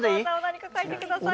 何か書いてください